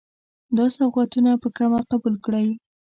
دا سوغاتونه په کمه قبول کړئ.